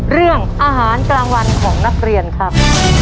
เรื่องอาหารกลางวันของนักเรียนครับ